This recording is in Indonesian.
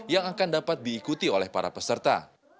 yang akan dapat diikuti oleh para peserta